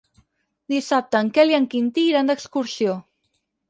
Dissabte en Quel i en Quintí iran d'excursió.